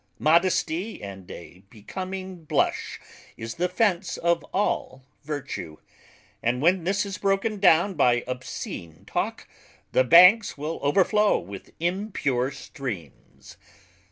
Modesty and a becoming Blush is the Fence of all Virtue; and when this is broken down by obscene talk, the Banks will overflow with impure Streams.